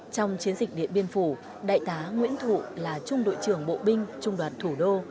trong chiến dịch điện biên phủ đại tá nguyễn thụ là trung đội trưởng bộ binh trung đoàn thủ đô